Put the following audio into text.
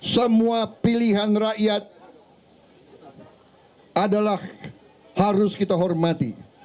semua pilihan rakyat adalah harus kita hormati